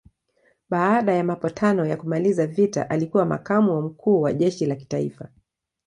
Baada ya mapatano ya kumaliza vita alikuwa makamu wa mkuu wa jeshi la kitaifa.